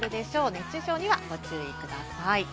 熱中症にはご注意ください。